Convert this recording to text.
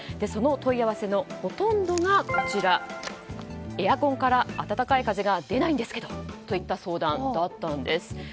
その問い合わせのほとんどがエアコンから暖かい風が出ないんですけどといった相談だったんです。